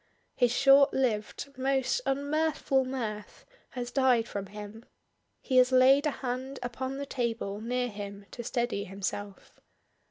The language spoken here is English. His short lived, most unmirthful mirth has died from him, he has laid a hand upon the table near him to steady himself.